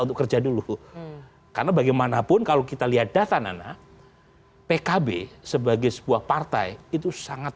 untuk kerja dulu karena bagaimanapun kalau kita lihat data nana pkb sebagai sebuah partai itu sangat